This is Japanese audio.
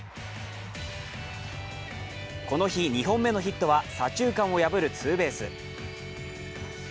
この日、２本目のヒットは左中間を破るツーベース。